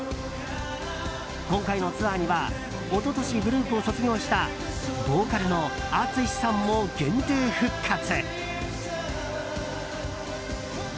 今回のツアーには一昨年グループを卒業したボーカルのＡＴＳＵＳＨＩさんも限定復活。